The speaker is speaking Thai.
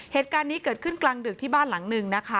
เหตุการณ์นี้เกิดขึ้นกลางดึกที่บ้านหลังหนึ่งนะคะ